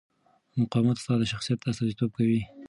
مقاومت ستا د شخصیت استازیتوب کوي.